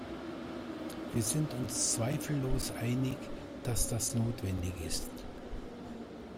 Wir sind uns zweifellos einig, dass das notwendig ist.